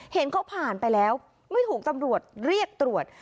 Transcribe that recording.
เห็นเขาผ่านไปแล้วไม่ถูกตำรวจเรียกตรวจ